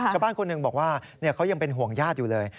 ชาวบ้านคนหนึ่งบอกว่าเขายังเป็นห่วงญาติอยู่เลย